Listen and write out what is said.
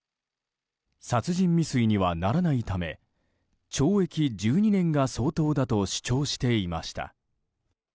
殺人未遂にはならないため懲役１２年が相当だと主張していました。